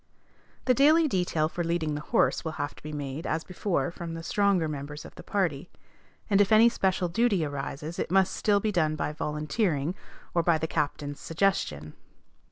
The daily detail for leading the horse will have to be made, as before, from the stronger members of the party; and if any special duty arises it must still be done by volunteering, or by the captain's suggestion.